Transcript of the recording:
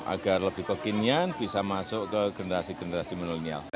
agar lebih kekinian bisa masuk ke generasi generasi milenial